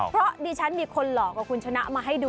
เพราะดิฉันมีคนหลอกกับคุณชนะมาให้ดู